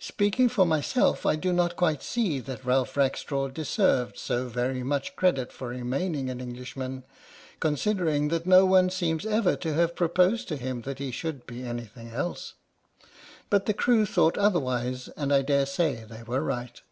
Speaking for myself, I do not quite see that Ralph Rackstraw deserved so very much credit for remaining an Englishman, considering that no one seems ever to have pro posed to him that he should be anything else, but the crew thought otherwise and I daresay they were right.